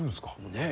ねえ。